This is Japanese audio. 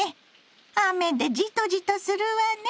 雨でじとじとするわね。